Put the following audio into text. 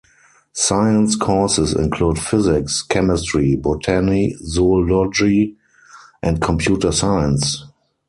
Science courses include physics, chemistry, botany, zoology and computer science.